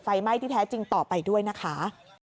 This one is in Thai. ไฟไหม้ที่แท้จริงต่อไปด้วยนะคะ